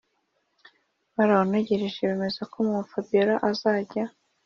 barawunogeje bemeza ko mama-fabiora azajya